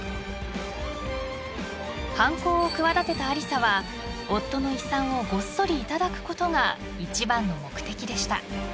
［犯行を企てたアリサは夫の遺産をごっそり頂くことが一番の目的でした］